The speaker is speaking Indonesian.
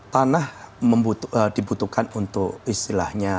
tanah dibutuhkan untuk istilahnya